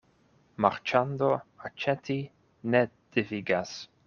Marĉando aĉeti ne devigas.